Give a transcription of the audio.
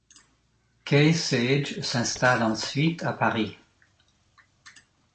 Kay Sage s'installe ensuite à Paris.